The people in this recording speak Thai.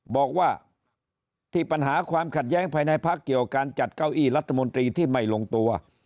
บอกว่าที่ปัญหาความขัดแย้งภายในพักเกี่ยวการจัดเก้าอี้รัฐมนตรีที่ไม่ลงตัว